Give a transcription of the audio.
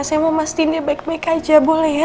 saya mau mastiin dia baik baik aja boleh ya